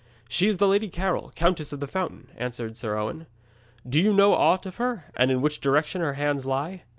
'She is the Lady Carol, Countess of the Fountain,' answered Owen. 'Do you know aught of her, and in which direction her lands lie?'